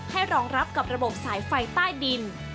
รองรับกับระบบสายไฟใต้ดิน